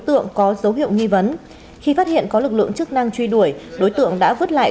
tượng có dấu hiệu nghi vấn khi phát hiện có lực lượng chức năng truy đuổi đối tượng đã vứt lại